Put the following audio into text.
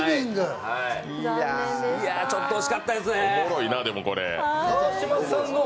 ちょっと惜しかったですね。